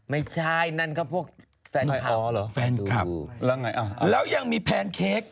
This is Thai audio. ไม่ใช่นั่นก็พวกแฟนคลับแล้วไงอ่ะแล้วยังมีแพนเค้ก